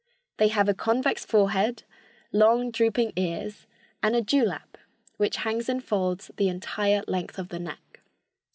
They have a convex forehead, long, drooping ears and a dew lap, which hangs in folds the entire length of the neck.